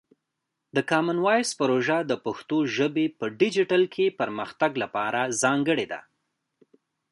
د کامن وایس پروژه د پښتو ژبې په ډیجیټل کې پرمختګ لپاره ځانګړې ده.